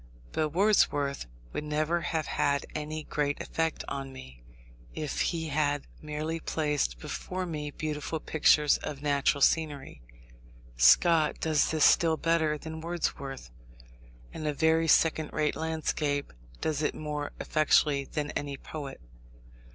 But Wordsworth would never have had any great effect on me, if he had merely placed before me beautiful pictures of natural scenery. Scott does this still better than Wordsworth, and a very second rate landscape does it more effectually than any poet.